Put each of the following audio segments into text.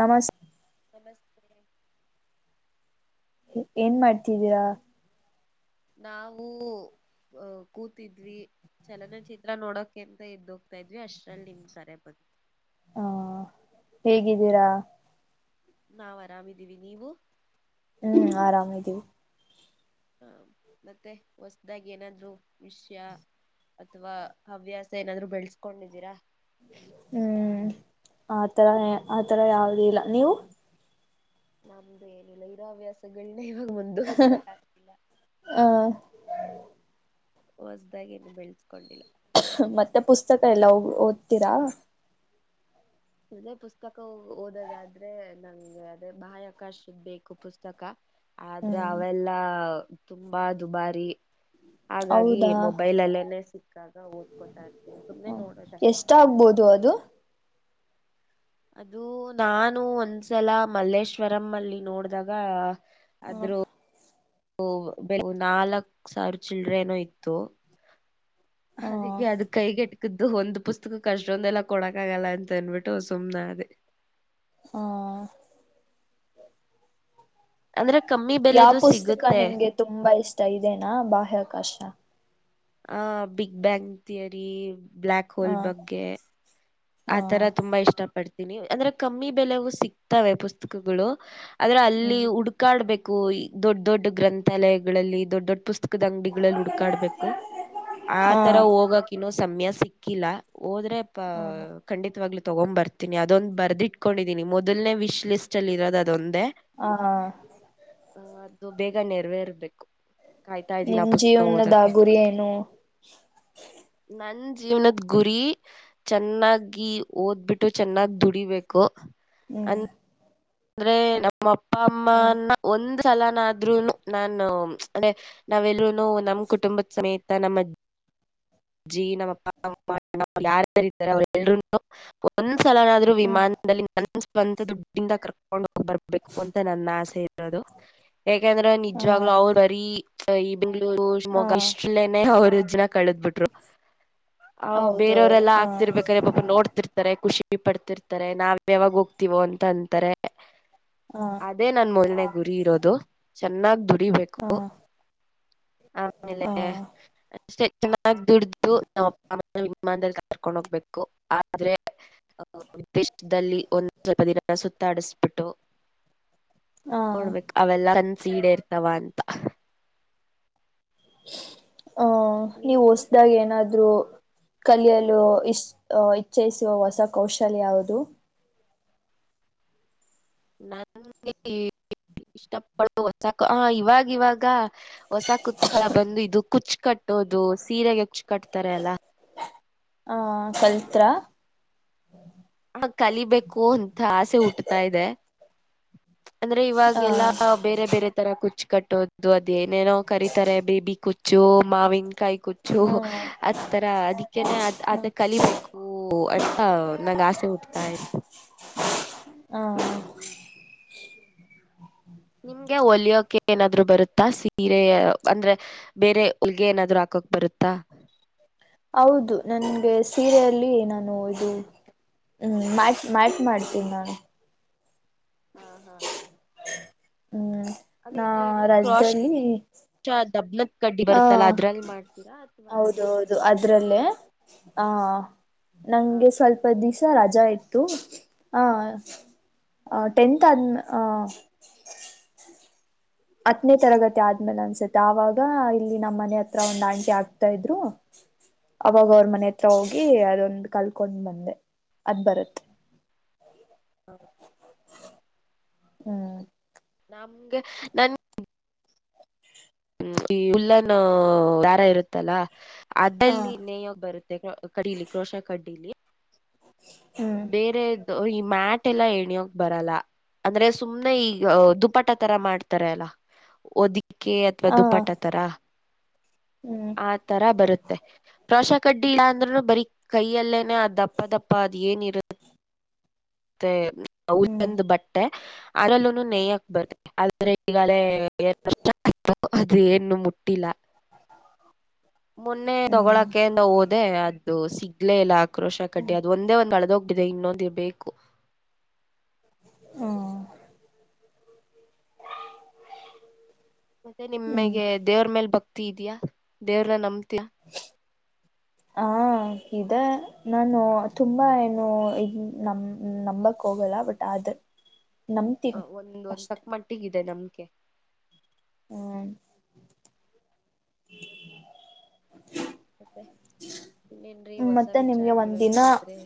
ನಮಸ್ತೆ ನಮಸ್ತೆ [unintelligible] ಏನ್ ಮಾಡ್ತಿದ್ದೀರಾ ನಾವವು ಅಹ ಕೂತಿದ್ವಿ ಚಲನಚಿತ್ರ ನೋಡೋಕ ಅಂತ ಎದೋಗ್ತಾ ಇದ್ವಿ ಅಷ್ಟ್ರಲ್ಲಿ ನಿಮ್ ಕರೆ ಬಂತ ಹಾ ಹೇಗಿದ್ದೀರಾ ನಾವ್ ಆರಾಮಿದೀವಿ ನೀವು ಹ್ಮ್ ಆರಾಮ್ದೀವಿ ಹ ಮತ್ತೆ ಹೊಸ್ದಾಗಿ ಏನಾದ್ರು ವಿಷಯ ಅಥವಾ ಹವ್ಯಾಸ ಏನಾದ್ರು ಬೆಳೆಸ್ಕೊಂಡಿದ್ದೀರಾ ಹ್ಮ್ ಆತರ ಆತರ ಯಾವವುದ ಇಲ್ಲ ನೀವು ನಮ್ದೇಏನ ಲೈರವ್ಯಾಸಗಳು ಇವಾಗ ಮುಂದುವರ್ಸಕ್ ಆಗ್ತಿಲ್ಲ ಆ ಹೊಸ್ದಾಗಿ ನು ಬೆಳೆಸ್ಕೊಂಡಿಲ್ಲ ಮತ್ತೆ ಪುಸ್ತಕ ಎಲ್ಲಾ ಓದ್ತೀರಾ ಅದೇ ಪುಸ್ತಕ ಓದೋದಾದ್ರೆ ನಂಗಗೆ ಅದೇ ಬಾಹ್ಯಾಕಾಶದ ಬೇಕು ಪುಸ್ತಕ ಆದ್ರೆ ಹ್ಮ್ ಅವೆಲ್ಲಾ ತುಂಬಾ ದುಬಾರಿ ಹಾಗಾಗಿ ಹೌದಾ ಮೊಬೈಲ್ ಅಲ್ಲೇನೆ ಸಿಕ್ತ ಾಗ ಓದ್ಕೋತಾ ಇರ್ತೀನಿ ಸುಮ್ನೆ ಹ ನೋಡೋದಷ್ಟ ಎಷ್ಟಾಗ್ಬೋದು ಅದು ಅದು ನಾನು ಒಂದ್ಸಲ ಮಲ್ಲೇಶ್ವರಂ ಅಲ್ಲಿ ನೋಡ್ದಾಗ ಹ್ಮ ಅದ್ರ ನಾಲ್ಕ್ ಸಾರು ಚಿಲ್ಡ್ರೇನು ಇತ್ತು ಹ ಅದಕ್ಕೆ ಅದ ಕೈಗೆಟ್ಟ ು ಒಂದ್ ಪುಸ್ತಕ ಅಷ್ಟೊಂದ ಎಲ್ಲ ಕೊಡಕ ಆಗಲ್ಲ ಅಂತ ಅನ್ಬಿಟ್ಟು ಸುಮ್ನೆ ಅದೇ ಹ ಅಂದ್ರೆ ಕಮ್ಮಿ ಯಾವ ಬೆಲೆದು ಪುಸ್ತಕ ಸಿಗುತ್ತೆ ನಿಮ್ಗೆ ತುಂಬಾ ಇಷ್ಟ ಇದನಾ ಬಾಹ್ಯಾಕಾಶ ಆ ಬಿಗ್ ಬ್ಯಾಂಗ್ ಥಿಯರಿ ಬ್ಲಾಕ್ ಹ ಹೋಲ್ ಬಗ್ಗೆ ಆ ಹ ತರ ತುಂಬಾ ಇಷ್ಟ ಪಡ್ತೀನಿ ಅಂದ್ರೆ ಕಮ್ಮಿ ಬೆಲೆವುೂ ಸಿಗ್ತವೆ ಪುಸ್ತಕಗಳು ಆದ್ರೆ ಅಲ್ಲಿ ಹ್ಮ್ ಹುಡ್ಕಾಡ್ಬೇಕು ದೊಡ್ಡ ದೊಡ್ಡ ಗ್ರಂಥಾಲಯಗಳಲ್ಲಿ ದೊಡ್ಡ ದೊಡ್ಡ ಪುಸ್ತಕ ದ ಅಂಗಡಿಗಳಲ್ಲಿ ಹುಡ್ಕಾಡ್ಬೇಕು ಹ ಆತರ ಹೋಗಕ ಇನ್ನ ಸಮಯ ಸಿಕ್ಕಿಲ್ಲ ಹೋದ್ರೆ ಪ ಹ ತ್ವಾಗ್ಲೂ ತಗೊಬರ್ತೀನಿ ಅದೊಂದು ಬರ್ದಿಟ್ಕೊಂಡೀನಿ ಮೊದನೇ ವಿಶ್ ಲಿಸ್ಟಲ್ಲಿ ಇರೋದು ಅದು ಹಾ ಹಾ ಅದು ಬೇಗ ನೆರವೇರ್ಬೇಕು ಕಾಯ್ತಾ ಇದ್ದೀನ ನಿಮ್ ಆ ಪುಸ್ತಕ ಜೀವನದ ಓದಕ್ಕೆ ಗುರಿ ಏನು ನನ್ ಜೀವನದ ಗುರಿ ಚೆನ್ನ. ಓದ್ಬಿಟ್ಟು ಚೆನ್ನಾಗ ದುಡಿಬೇಕು ಹ್ಮ್ ಅಂದ್ರೆ ನಮ್ಮ ನಮ್ಮ ಅಪ್ಪಾ ಹ್ಮ್ ಅಮ್ಮ ಒಂದು ಸಲಾನಾದದ್ರುನು ನಾನು ಅಂದೆ ನಾವೆಲ್ರುನು ನಮ ಕುಟುಂಬದ ಸಮೇತ ನಮ್ಮ ಅಜ್ಜಿ ನಮ್ಮಪ್ಪ ನಮ್ಮಣ್ಣ ಯಾರಾರ ಇದಾರೆ ಅವರು ಎಲ್ರು ಸಲನಾದ್ರೂನು ಹ್ಮ್ ವಿಮಾನದಲ್ಲಿ ಒಂದು ಸ್ವಂತ ದುಡ್ಡಿಂದ ಕರ್ಕೊಂಡ ಬರ್ಬೇಕು ಅಂತ ನನ್ನ ಆಸೆ ಇರೋದು ಯಾಕೆಂದ್ರೆ ಹ ನಿಜವಾಗ್ಲುೂ ಅವ್ರು ಬರೀ ಸರಿ ಹಾ [unintelligible] ಇಷ್ಟಲೇನೆ ಅವ್ರದ [unintelligible] ಕಳದ್ ಬುಟ್ರು. ಹ್ ಹೌದು ಹೌದು ಬೇರೆಯವರೆಲ್ಲಾ ಹಾ ಆಗ್ತಿರ್ಬೇಕ ಆದ್ರೆ ಪಾಪ ನೋಡ್ತಿರ್ತಾರೆ ಖುಷಿ ಈ ಪಡ್ತಿರ್ತಾರೆ ನಾವ್ ಇನ್ನು ಯಾವಾಗ ಹೋಗ್ತಿವೋ ಅಂತ ಅಂತಾರೆ ಹಾ ಅದೇ ನನ್ ಮೊನ್ನೆದ್. ಗುರಿ ಇರೋದು ಚೆನ್ನಾಗ್ ಬಿಟ್ಟ [unintelligible] ಡಿಬೇಕು ಹಾ ಆಮೇಲೆ ಹಾ ಅಷ್ಟೇ ಚೆನ್ನಾಗ್. ದುಡ್ದು ನಮ್ ಅಪ್ಪ ಅಮ್ಮನ [unintelligible] ಮಾಡ್ದೆ ಕರ್ಕೊಂಡ ಹೋಗ್ಬೇಕು ಆದ್ರೆ ಅ ದೇಶದಲ್ಲಿ ಒಂದು ಸ್ವಲ್ಪ ದಿನ ಸುತ್ತಾಡಿಸ್ಬಿಟ್ಟು. ಹಾ ನೋಡ್ಬೇಕ ಅವೆಲ್ಲ ಸಿಡೆ ಇರ್ತಾವ ಅಂತ. [unintelligible] ಹ ನೀವು ನಿಮ್ದು ಹೊಸ್ದಾಗ ಏನಾದ್ ಆದೂ ಕಲಿಯಲು ಇಷ್ಟ ಇಚ್ಛಿಸುವ ಹೊಸ ಕೌಶಲ್ಯ ಯಾವುದು. ನನ್ಗೆ ಇಷ್ಟಪಡೋ ಹೊಸಕ ಹ ಇವಾಗ ಇವಾಗ ಹೊಸ ಕುತ್ ಬಂದು ಇದು ಕುಚ್ ಕಟ್ಟೋದು ಸೀರೆಗೆ ಕುಚ್ಚ ಕಟ್ತಾರೆ ಅಲ್ಲ ಹಾ ಕಲ್ತ್ರಾ. ಆ ಕಲಿಬೇಕು ಅಂತ ಆಸೆ ಹುಟ್ಟತಾ ಇದೆ ಅಂದ್ರೆ ಆ ಇವಾಗೆಲ್ಲಾ ಬೇರೆ ಬೇರೆ ತರ ಕು ಕಟ್ಟೋದು ಅದು ಏನೇನೋ ಕರೀತಾರೆ ಬೇಬಿ ಕುಚ್ಚ. ಜೋ ಮಾವಿನಕಾಯಿ. ಕುಚ್ಚು ಹ್ಮ ಅದ್ ತರ ಅದಿಕ್ಕೇನೆ ಅದ್ ಅದ ಕಲಿಬೇಕು ಅಂತಾ ನಂಗ್ ಆಸೆ. ಕೊಡ್ತಾಯ ಹ್ಮ ನಿಮ್ಗೆ ಹೊಲಿಯೋಕೆ ಏನಾದ್ರು ಬರುತ್ತಾ ಸೀರೆ ಅಂದ್ರೆ ಬೇರೆ ಹೊಲ್ಗೆ ಏನಾದ್ರು ಹಾಕೋಕ್ ಬರುತ್ತಾ ಹೌದು ನನ್ಗೆ ಸೀರೆಯಲ್ಲಿ ನಾನು ಇದು ಹ್ಮ್ ಮ್ಯಾ ಮ್ಯಾಟ್ ಮಾಡ್ತೀನಿ ನಾನು ಹಾ ಹಾ [unintelligible] ಹ್ಮ್ ಅಂದ್ರೆ ನಾ ಇದೇನು ಕ್ರಾಶ್ ರಜ್ದಲ್ಲಿ ದಬ್ನದ ಕಡ್ಡಿ ಹಾ ಬರುತ್ತಲ್ಲ ಅದ್ರಲ್ಲಿ ಮಾಡ್ತೀರಾ ಅಥವಾ ಹೌದ ಹೌದು ಅದ್ರಲ್ಲೇ ಹಾ ಹ ನಂಗೆ ಸ್ವಲ್ಪ ದಿವ್ಸ ರಜಾ ಇತ್ತು ಹಾ ಹ ಆ ಟೆಂತ್ ಆದ್ಮೆ ಹಾ ಹತ್ತನೇ ತರಗತಿ ಆದ್ಮೇಲೆ ಅನ್ಸತ್ತೆ ಆವಾಗ ಇಲ್ಲಿ ನಮ್ಮ್ ಮನೆ ಹತ್ರ ಒಂದು ಆಂಟಿ ಆಗ್ತಾ ಇದ್ರು ಹ ಅವಾಗೌರ್ ಮನೆ ಹತ್ರ ಹೋಗಿ ಅದೊಂದು ಕಲ್ಕೊಂಡ್ ಬಂದೆ ಅದ್ ಬರುತ್ತೆ ಹ್ಮ್ ನಮಗೆ ನನ್ ಹ್ಮ ಈ ಉಲ್ಲನ್ನು ದಾರ ಇರುತ್ತಲ್ಲ ಹಾ ಅದಲ್ಲಿ ನೇಯ್ಯೋಗ್ ಬರುತ್ತೆ ಕಡ್ಡಲಿ ಕ್ರೋಶ ಕಡ್ಡಿಲಿ ಹ್ಮ್ ಬೇರೆ ಈ ಮ್ಯಾಟ್ ಎಲ್ಲ ಎಣ್ಯೋಕ್ ಬರಲ್ಲ ಅಂದ್ರೆ ಸುಮ್ನೆ ಈಗ ದುಪಾಟ ತರ ಮಾಡ್ತಾರೆ ಅಲ್ಲ ಒದಿ ಕೆ ಅಥವಾ ಹ ದುಪ್ಪಟತರ ಹ್ಮ್ ಆ ತರ ಬರುತ್ತೆ ಪ್ರವಶ ಕಡ್ಡಿ ಇಲ್ಲ ಅಂದ್ರೂನು ಬರಿ ಕೈಯಲ್ಲೇನೆ ಅ ದಪ್ಪ ದಪ್ಪ ಏನಿರ ತ್ತೆ ಹ ಹ್ಮ್ ಚಂದ್ ಬಟ್ಟೆ [unintelligible] ಅದ್ರಲ್ಲೂ ನೇಯ್ಯಕ್ ಬರ್ತ ಆದ್ರೆ ಈಗಲೇ ಎ ವರ್ಷ ಆ ಅದು ಏನು ಮುಟ್ಟಿಲ್ಲ ಮೊನ್ನೆ ಹ್ಮ್ ತಗೊಳಕಿಂದ ಹೋದೆ ಅ್ ಸಿಗ್ಲೇ ಇಲ್ಲ ಕ್ರೋಶ ಕಡ್ಡಿ ಅದು ಒಂದ ಒಂದ ಹಳದ ಹೋಬಿಟಿತ್ [inaudible] ಇನ್ನೊಂದುಿ ಬೇಕು [unintelligible] ಹ್ಮ್ [inaudible] ಮತ್ತೆ ಹ್ಮ್ ನಿಮಗೆ ದೇವ್ರ ಮೇಲೆ ಬಕ್ ತ್ತಿ ಇದ್ಯಾಾ ದೆವ್ರ್ನಾ ನಮ್ [inaudible] ಹ ಇದೆ ನಾನು ತುಂಬಾ ಏನು ಇ ನಮ ನಂಬಕ್ ಹೋಗಲ್ಲ ಬಟ್ ಆದ [unintelligible] ಒಂದ ಒಂದ್ ತಕ್ ಮಟ್ಟಿಗ ಇದೆ ನಮ್ ಗೆ ಹ್ಮ್ ಮತ್ತೆ ಇನ್ನೇನ್ರೀ ್ಮ ಹೊಸ ಮತ್ತೆ ನಿಮ್ಗೆ ವಿಚಾರಗಳು ಒಂದ್ಿನು ಏನ್ರಿದ್ರೆ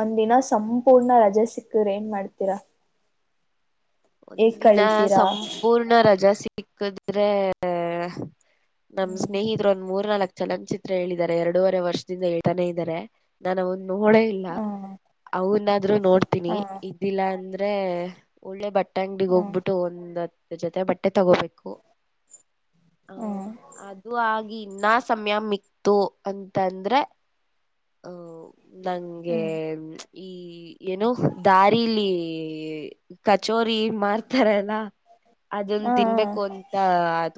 ಒಂದ್ ದಿನ ಸಂಪೂರ್ಣ ರಜೆ ಸಿಕ್ ಏನ್ ಮಾಡ್ತೀರಾ ಹೇಗ್ ಒಂದಿನ ಕಳಿತೀರಾ ಸಂಪೂರ್ಣ ರಜಾ ಸಿ ಸಿಕ್ಕಿದ್ರೇ ನಮ್ ಹ್ಮ್ ಸ್ನೇಹಿತರು ಒಂದ್ ಮೂರ್ ನ ನಾಲ್ಕಕ್ ಚಲನಚಿತ್ರ ಹೇಳಿದ್ದಾರೆ ಎರಡೂವರೆ ವರ್ಷದಿಂದ ಹೇಳ್ತಾನೆ ಇದ್ದಾರೆ ನನ್ನ ಒಂದ್ ನೋಡೇ ಇಲ್ಲ ಹ ಅವನಾದ್ರೂ ನೋಡ್ತೀನಿ ಹ ಇದಿಲ್ಲ ಅಂದ್ರೆ ಒಳ್ಳೆ ಬಟ್ ಟ್ಯಾಂಗಕ್ ಡಿಗೆ ಹ ಹೋಗ್ಬಿಟ್ಟು ಒಂದ್ತ್ ಅ್ರ ಜೊತೆ ಬಟ್ಟೆ ತಗೋಬೇಕು. ಹ ಅದು ಆಗಿ. ಇನ್ನ ಸಮಯ ಮಿಕ್ತು ಅಂತಂದ್ರೆ ಅಹ್ ನಂಗೆ. ಹ್ಮ್ ಈ ಏನೋ ದಾರಿಲ್ಲಿ ಕಚ್ಚ್ ಮಾಡ್ತಾರಲ್ಲ ಅದನ್ ಹ ತಿನ್ಬೇಕು ಅಂತ.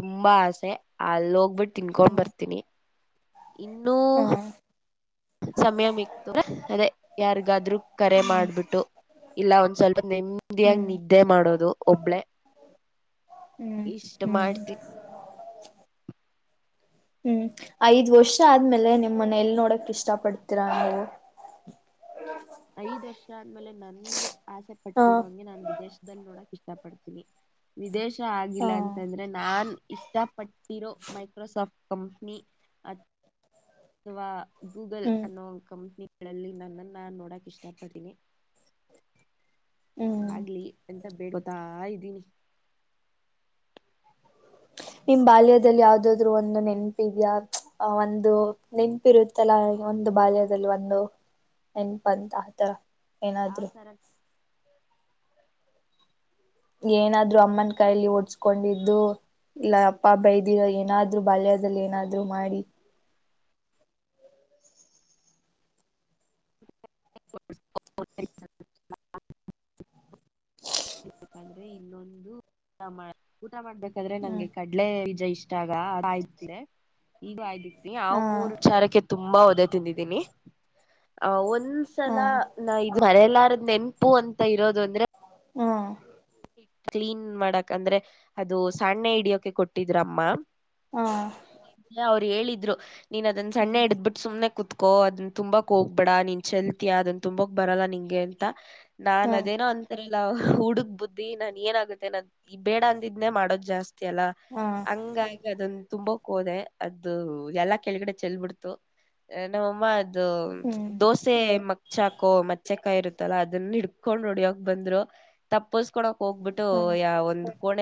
ತುಂಬಾ ಆಸೆ ಅಲ್ಲಿ ಹೋಗ್ಬಿಟ್ಟು ತಿನ್ಕೊಂಡ್ ಹ್ಮ್ ಬರ್ತೀನಿ. ಇನ್ನುೂ. ಹಾ ಸಮಯ ಮಿಕ್ತ ಅದೇ ಯಾರಿಗಾದ್ೂ ಕರೆ ಮಾಡ್ಬಿಟ್ಟು ಇಲ್ಲ ಒಂದ್ ಸ್ವಲ್ಪ ನೇಮ್ದಿಯಾಗ ಹ್ಮ್ ನಿದ್ದೆ ಮಾಡೋದು ಒಬ್ಳೆ. ಹ್ಮ್ ಇಷ್ಟ ಹ್ಮ್ ಮಾಡ್ತಿೀ ಹ್ಮ್ ಐದ್ ವರ್ಷ ಆದ್ಮೇಲೆ ನಿಮ್ ಮನೆ ಎಲ್ ನೋಡಕ್ ಇಷ್ಟ ಪಡ್ತೀರಾ ನೀವು. ಐದ್ ವರ್ಷ ಆಮೇಲೆ ನಂಗೆ ಆಸೆ ಹ ಪಟ್ಟಿರೋ ಹಂಗೆ, ನಾನ್ ವಿದೇಶದಲ್ಲಿ ನೋಡಕ್ ಇಷ್ಟ. ಇಷ್ಟಪಡತಿವಿ. ವಿಿದೇಶ ಇಷ್ಟ ಹಾ ಆಗಿಲ್ಲ. ಅಂತಂದ್ರೆ ನಾನ್ ಇಷ್ಟಪಟ್ಟಿರೋ ಮೈಕ್ರೋಸಾಫ್ಟ್ ಕಂಪ್ನಿ, ವಾ, ಗೂಗಲ್ ಹ್ಮ್ ಅನ್ನೋ ಒಂದು ಕಂಪ್ನಿ, ಅದ್ರಲ್ಲಿ ನನ್ನನ್ನ ನೋಡಕ್ ಇಷ್ಟಪಡ್ತೀನಿ. ಅದ ಹ್ಮ್ ಆಗ್ಲಿ [unintelligible] ನಿಮ್ ಬಾಲ್ಯದಲ್ಲಿ ಯಾವ್ದಾದ್ರು ಒಂದು ನೆನ್ಪ ಇದ್ಯಾ. ಒಂದು ನೆನಪಿರುತ್ತಲ್ಲ. ಒಂದು ಬಾಲ್ಯದಲ್ಲಿ ಒಂದು ನೆನ್ಪ ಅಂತ ಆತರ. ಯಾವ್ ಏನಾದ್ರರು. ತರ ಏನಾದ್ರು ಅಮ್ಮನ ಕೈಯಲ್ಲಿ ಹೂಡಸ್ಕೊಂಡಿದ್ದು. ಇಲ್ಲ ಅಪ್ಪ ಬೈ್ದ ಏನಾದ್ರು ಬಾಲ್ಯದಲ್ಲಿ ಏನಾದ್ರು, ಮಾಡಿ [unintelligible] ಬೇಕಂದ್ರೆ ಇನ್ನೊಂದು [unintelligible] ಊಟ ಮಾಡ್ಬೇಕಾದ್ರೆ ಹ್ಮ್ ನಂಗೆ ಕಡಲೆಜ ಇಷ್ಟ. [unintelligible] ಯಾವ್ ಹಾ ಮೂರು ವಿಚಾರಕ್ಕೆ, ತುಂಬಾ ಒದೇ ತಿಂದಿದ್ದೀನಿ. ಒ ಹಾ ಒಂದ್ಸಲ ನಾ ಮರೆಯಲಾ ನೆಂಪು ಅಂತ ಇರೋದು, ಅಂದ್ರೆ ಹ್ಮ. ಕ್ಲೀನ್ ಮಾಡಕ್ ಅಂದ್ರೆ ಅದು ಸಣ್ಣೆ ಹಿಡಿಯಕೆ ಕೊಟ್ಟಿದ್ರಮ್ಮ. ಹಾ. ಅವ್ರು ಹೇಳಿದ್ರು. ನೀನ್ ಅದನ್ನ ಸಣ್ಣ ಹ್ಮ್ ಹಿಡ್ದಬಿಟ್ಟು ಸುಮ್ನೆ ಕುತ್ಕೋ ಅದನ್ನ ತುಂಬಾಕ್ ಹೋಗ್ಬೇಡ ನೀನ್ ಚೆಲ್ತಿಯಾ, ಅದನ್ ತುಂಬಾಕ್ ಬರಲ್ಲ. ನಿನ್ಗೆ ಅಂತ, ನಾನ್ ಹಾ ಅದೇನೋ ಅಂತರೆ. [unintelligible] ದಿ ನಾನ್ ಏನ ಆಗುತ್ತೆ ನಾನ ಈ ಬೇಡ ಅಂದಿದ್ನನೆ, ಮಾಡೋದು ಜಾಸ್ತಿ. ಲ್ಲ ಹಾ ಹಂಗಾಗಿ ಅದೊಂದು ತುಂಬಕ್ ಹೋದೆ ಅದದು ಎಲ್ಲಾ ಕೆಳಗಡೆ ಚೆಲ್ ಬಿಿಡ್ತು ನಮ್ಮಮ್ಮ ಹ್ಮ್ ದೋಸೆ ಮಗ್ ಚಾಕು ಮಚ್ಚೆಕಾಯಿ ಇರುತ್ತಲ್ಲಾ ಅದನ್ನ ಹಡ್ ಹಿಡ್ಕೊಂಡು ಹೊಡಿಯಕ್ಕೆ ಬಂದ್ರು. ತಪ್ಪೋಸ್- ಕ್ಕೊಲೊ ಹೋಗ್ಬಿಟ್ಟು. ಹಾ ಯ ಒಂದು ಕೊಣ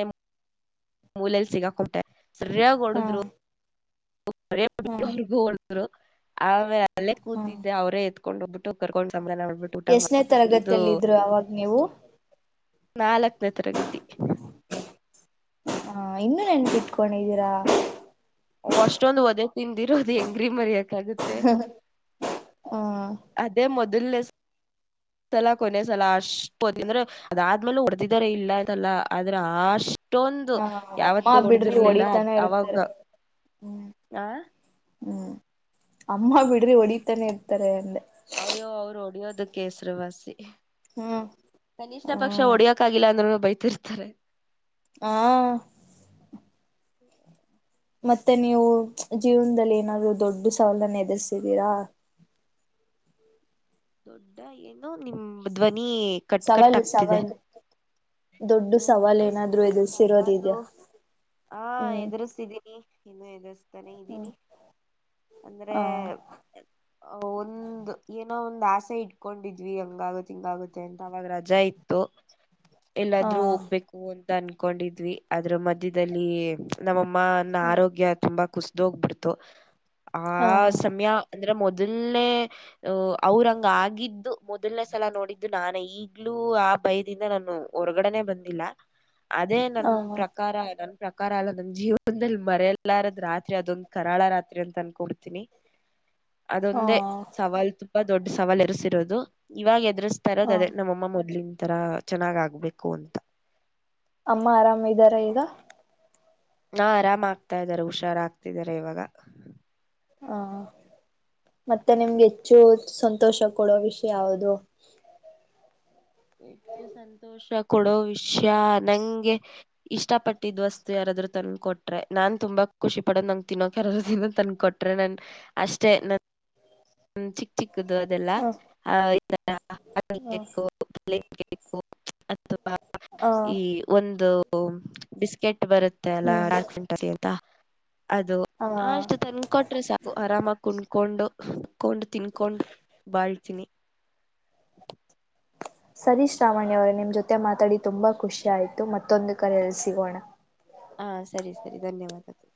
ಮೂಲಲ್ಲಿ ಸಿಗ ಕೊಟ್ಟೆ ಸರಿಯಾಗಿ ಹಾ ಹಾ ಹೊಡುದ್ರು ಗ ಒ ಆೇ ಅಲ್ಲೇ ಹಾ ಕೂತಿದ್ದೆ ಅವರೇ ಕೊಂಡೋಗಬಟ್ಟು ಕರ್ೊಂಡು ಎಷ್ಟನೇ ತರಗತಿಯಲ್ಲ ಇದ್ರು ಅವಾಗ ನೀವು ನಾಲ್ಕನೇ ತರಗತಿ ಹಾ ಇನ್ನುೂ ನೆನ್ಪಿಟ್ಕೊಂಡಿದ್ದೀರಾ ಅಷ್ಟೊಂದು ವದೆ ತಿಂದಿರೋದು್ ಹೆಂಗ್ರಿ ಮರಿಯಕ ೆ ಹ ಅದೇ ಮೊದಲ್ ಸಲ ಕೊನೆ ಸಲ ಅಷ್ಟ ಪತ ಅಂದ್ರೆ ಅದಾದ್ಮೇಲೆ ಹೊಡೆದಿದಾರ ಇಲ್ಲ ಅಂತಲ್ಲ ಆದ್ರೆ ಅಷ್ಟ ಅಷ್ಟೊಂದು ಹ ಅಮ್ಮ ಯಾವತ್ತು ಬಿಡ್ರಿ ಹೊಡೆ್ದಿರ್ಲಿಲ್ಲ್ ಹೊಡಿತಾನೆ ಅವಾಗ ಇರ್ತಾರೆ ಆ ಹ್ಮ್ ಅಮ್ಮ ಬಿಡ್ರಿ ಹೊಡಿತಾನೆ ಇರ್ತಾರೆ ಅಂದೆ ಅಯ್ಯೋ ಅವ್ರು ಹೊಡಿಯೋದ ಕೇಸರುವಾಸಿ ಹ್ಮ್ ಕನಿಷ್ಠ ಪಕ್ಷ ಹ್ಮ್ ಹೊಡಿಯಕ್ಾಗಿಲ್ಲ ಅಂದ್ರೂ ಬೈತ ತಿರ್ತಾರೆ ಹಾ ಮತ್ತೆ ನೀವು ಜೀವನದಲ್ಲಿ ಏನಾದ್ರು ದೊಡ್ಡ ಸವಾಲನ್ನ ಎದುರ್ಸಿದ್ದೀರಾ ದೊಡ್ಡ ಏನು ನಿಮ ಧ್ವನ ನೀ ಕಟ್ ಕಟ್ ಸವಾಲು ಆಗ್ತಿದೆ ಸವಾಲು ಸವಾಲು ದೊಡ್ಡ ಏನಾದ್ರು ಸವಾಲು ಎದುರ್ಸಿರೋದಿದ್ಯಾ ಆ ಹ್ಮ್ ಎದುರಿಸಿದೀನಿ ಇನ್ನು ತಾನೆ ಹ ಇದ್ದೀನಿ ಅಂದ್ರೆ ಹ ಒಂದು ಏನೋ ಒಂದು ದಾಸೆ ಇಟ್ಕೊಂಡಿದ್ವಿ ಹಂಗ ಆಗುತ್ತೆ ಹಿಂಗ ಆಗುತ್ತೆ ಅಂತ ಅವಾವಾಗ ರಜಾ ಇತ್ತು ಎಲ್ಲಾದ್ರೂ ಹೋಗ್ಬೇಕು ಅ ಅನ್ಕೊಂಡಿದ್ವಿ ಅದ್ರ ಮಧ್ಯದಲ್ಲಿ ನಮ್ಮ ನಮ್ಮನ್ನ ಆರೋಗ್ಯ ತುಂಬಾ ಕುಸ್ದೋಗ್ಬಿಡ್ತು ಆ ಹ ಸಮಯ ಅಂದ್ರೆ ಮೊದಲನೇ ಉ ಅವ್ರಂಗ ಆಗಿದ್ದು ಮೊದಲ್ನೇ ಸಲ ನೋಡಿದ್ದು ನಾನ ಈಗ್ಲೂ ಆ ಭಯದಿಂದ ನಾನು ಹೊರಗಡೆನೆ ಬಂದಿಲ್ಲ ಅದೇ ನನ್ ಹ ಪ್ರಕಾರ ನನ್ ಪ್ರಕಾರ ಅಲ್ಲ ನನ್ನ ಜೀವನದಲ್ಲಿ ಮರೆಯಲಾರದ ರಾತ್ರಿ ಅದೊಂದ ಕರಾಳ ರಾತ್ರಿ ಅಂತ ಅನ್ಕೊಡ್ತೀನಿ ಹ ಅದೊಂದೇ ಸವಾಲ್ ತು ತುಂಬಾ ದೊಡ್ಡ ಸವಾಲು ಎರಿಸಿರೋದು ಇವಾಗ ಎದ್ ಹ ದ್ರ್ತರೋದುದೇ ನಮ್ಮ ಅಮ್ಮ ಮೊದ್ಲಿನ್ ತರ ಚೆನ್ನಾಗ್ ಆಗ್ಬೇಕು ಅಂತ ಅಮ್ಮ ಆರಾಮ ಇದ್ದಾರ ಈಗ ಹಾ ಆರಾಮಾಗ್ತಾ ಇದಾರೆ ಹುಷಾರಾಗ್ತಿದ್ದಾರೆ ಇವಾಗ ಹಾ ಮತ್ತೆ ನಿಮ್ಗೆ ಹೆಚ್ಚು ಸಂತೋಷ ಕೊಡೋ ವಿಷಯ ಯಾವ್ದು ಹೆಚ್ಚು ಸಂತೋಷ ಕೊಡೋ ವಿಷ್ಯ ನಂಗೆ ಇಷ್ಟ ಪಟ್ಟಿದ ವಸ್ತು ಯಾರಾದ್ರು ತನ್ಕ ಕೊಟ್ರೆ ನಾನ್ ತುಂಬಾ ಖುಷಿ ಪಡೋದ್ ನಂ ತಿನ್ನೋಕಾರಾದರುದಕಿದ್ ತನ್ ಕೊಟ್ರೆ ನನ್ ಅಷ್ಟೇ ನನ್ ಹ್ಮ್ ಚಿಕ್ ಠಿ ಕುದು ಅದೆಲ್ಲ ಹ ಹಾಯಿ [unintelligible] ಹ ಅಥವಾ ಹ ಈ ಒಂದು ಬಿಸ್ಕೆಟ್ ಬರುತ್ತೆ ಅಲ್ಲ ಹ್ಮ್ ಡಾರ್ಕ್ ಫ್ಯಾಂಟಸಿ ಅಂತ ಅದು ಹ ಅಷ್ಟು ತನ್ ಕೊಟ್ರೆ ಸಾಕು ಆರಾಮಾಗಿ ಕುಣ್ಕೊಂಡು ಹ ಕೊಂಡು ತಿನ್ಕೊಂಡು ಬಾಳ್ತೀನಿ [inaudible] ಸರೀಶ್ರಾವಣ್ಯ ಅವರ ನಿಮ್ ಜೊತೆ ಮಾತಾಡಿ ತುಂಬಾ ಖುಷಿ ಆಯ್ತು ಮತ್ತೊಂದು ಕರ ಎಲ್ಲಿ ಸಿಗೋಣ ಹಾ ಸರಿ ಸರಿ ಧನ್ಯವಾದಗಳು